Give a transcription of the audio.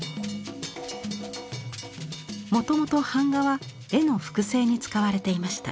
もともと版画は絵の複製に使われていました。